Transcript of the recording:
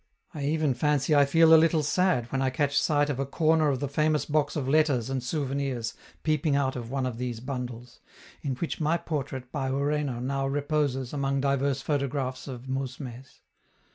I even fancy I feel a little sad when I catch sight of a corner of the famous box of letters and souvenirs peeping out of one of these bundles, in which my portrait by Ureno now reposes among divers photographs of mousmes.